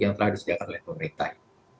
yang telah disediakan oleh pemerintah